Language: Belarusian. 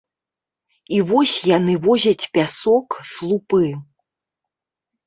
І вось яны возяць пясок, слупы.